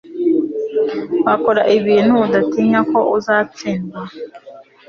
Wakora ibintu udatinya ko uzatsindwa